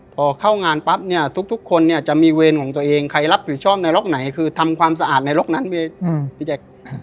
พอเข้างานปั๊บเนี่ยทุกคนเนี่ยจะมีเวรของตัวเองใครรับผิดชอบในล็อกไหนคือทำความสะอาดในล็อกนั้นพี่แจ๊ค